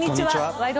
「ワイド！